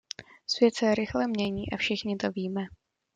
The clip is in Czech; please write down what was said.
Svět se rychle mění a všichni to víme.